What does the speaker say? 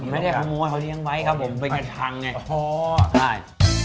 ไม่ได้ขโมยเขาเลี้ยงไว้ครับผมเป็นกระชังไง